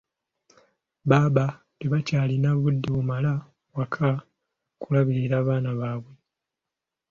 Baba tebakyalina budde bubeera waka kulabirira baana baabwe.